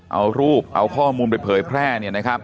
เอารูปเอาข้อมูลไปเผยแพร่